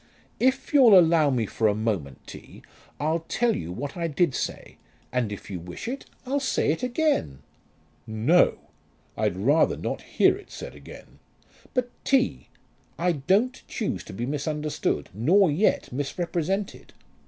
"If you'll allow me for a moment, T., I'll tell you what I did say, and if you wish it, I'll say it again." "No; I'd rather not hear it said again." "But, T., I don't choose to be misunderstood, nor yet misrepresented."